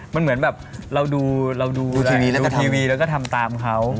มันเหมือนแบบเราดูทีวีแล้วก็ทำตามเขา